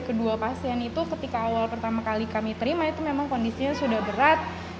kedua pasien itu ketika awal pertama kali kami terima itu memang kondisinya sudah berat